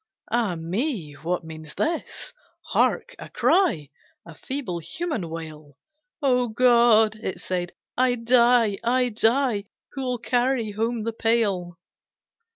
Ah me! What means this? Hark, a cry, A feeble human wail, "Oh God!" it said "I die, I die, Who'll carry home the pail?"